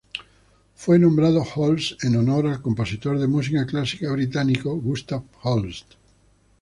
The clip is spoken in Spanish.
Fue nombrado Holst en honor al compositor de música clásica británico Gustav Holst.